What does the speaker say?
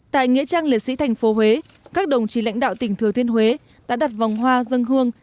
tại nghĩa trang liệt sĩ thành phố huế các đồng chí lãnh đạo tỉnh thừa thiên huế đã đặt vòng hoa dân hương